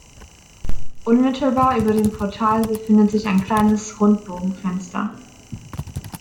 Unmittelbar über dem Portal befindet sich ein kleines Rundbogenfenster.